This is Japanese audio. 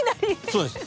そうです。